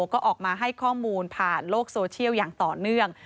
ก็ออกมาให้ข้อมูลผ่านโลกโซเชียลอย่างต่อเนื่อง